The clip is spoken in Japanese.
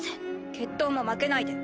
決闘も負けないで。